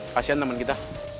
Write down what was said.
kasian temen kita